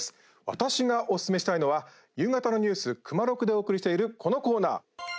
私がおすすめしたいのは夕方のニュース「クマロク」でお送りしているこのコーナー